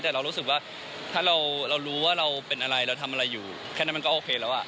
แต่เรารู้สึกว่าถ้าเรารู้ว่าเราเป็นอะไรเราทำอะไรอยู่แค่นั้นมันก็โอเคแล้ว